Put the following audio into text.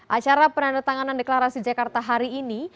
acara penandatanganan deklarasi jakarta hari ini